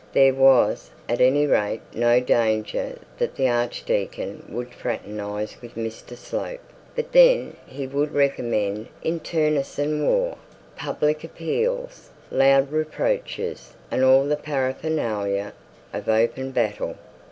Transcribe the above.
There was, at any rate, no danger that the archdeacon would fraternise with Mr Slope; but then he would recommend internecine war, public appeals, loud reproaches, and all the paraphernalia of open battle.